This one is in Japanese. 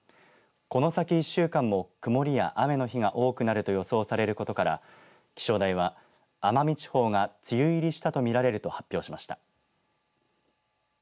この先１週間も曇りや雨の日が多くなると予想されることから気象台は奄美地方が梅雨入りしたとみられると発表しました。